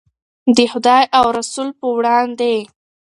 د خدای او رسول په وړاندې.